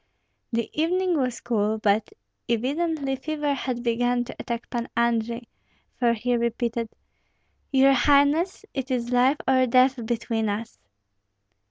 The evening was cool; but evidently fever had begun to attack Pan Andrei, for he repeated, "Your highness, it is life or death between us!"